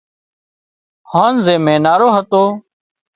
هانَ زي مينارو هتو